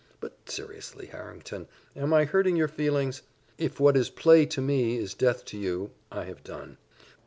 But seriously, Harrington, am I hurting your feelings? If what is play to me is death to you, I have done.